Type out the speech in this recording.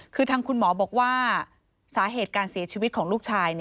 คือทางคุณหมอบอกว่าสาเหตุการเสียชีวิตของลูกชาย